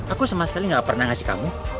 aku sama sekali gak pernah ngasih kamu